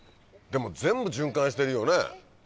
でも全部循環してるよね。